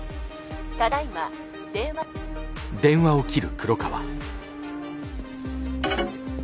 ただいま電話に。